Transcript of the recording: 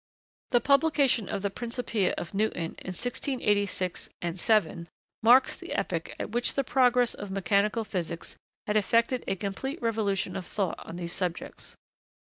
The publication of the 'Principia' of Newton, in 1686 7, marks the epoch at which the progress of mechanical physics had effected a complete revolution of thought on these subjects.